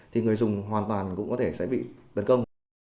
thì người dùng hoàn toàn cũng có thể sẽ bị tấn công